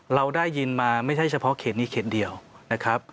เราได้ยินมาไม่ใช่เฉพาะเขตนี้เขตเดียวนะครับ